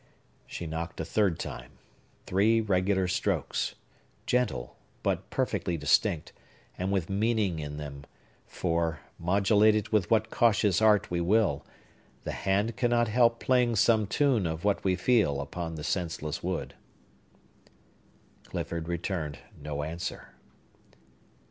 She knocked a third time, three regular strokes, gentle, but perfectly distinct, and with meaning in them; for, modulate it with what cautious art we will, the hand cannot help playing some tune of what we feel upon the senseless wood. Clifford returned no answer.